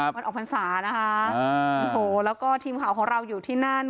วันออกภัณฑ์สานะฮะฮะแหละก็ทีมข่าวของเราอยู่ที่นั่น